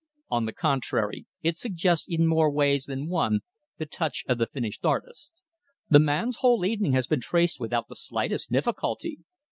On the contrary, it suggests in more ways than one the touch of the finished artist. The man's whole evening has been traced without the slightest difficulty.